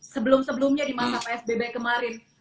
sebelum sebelumnya di masa psbb kemarin